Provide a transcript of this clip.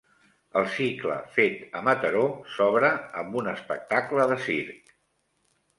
El cicle Fet a Mataró s'obre amb un espectacle de circ.